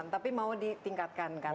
tapi mau ditingkatkan katanya